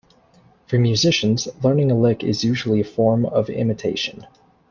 For musicians, learning a lick is usually a form of imitation.